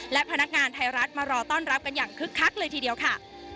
และพนักงานไทยรัฐมารอต้อนรับกันอย่างคึกคักเลยทีเดียวค่ะ